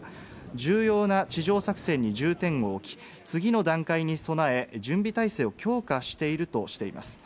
重要な地上作戦に重点を置き、次の段階に備え、準備態勢を強化しているとしています。